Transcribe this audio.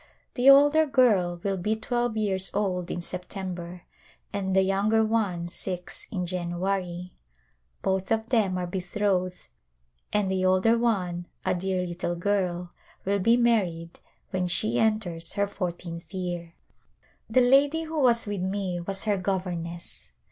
The older girl will be twelve years old in September and the younger one six in January. Both of them are betrothed and the older one, a dear little girl, will be married when she enters her fourteenth year. The lady who was with me was her governess.